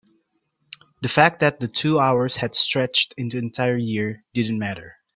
the fact that the two hours had stretched into an entire year didn't matter.